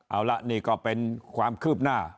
เอาละนี่ก็เป็นความคืบหน้า